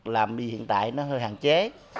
làm đi hiện tại nó hơi hạn chế